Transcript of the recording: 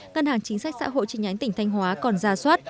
ngân hàng chính sách xã hội chi nhánh tỉnh thanh hóa còn ra soát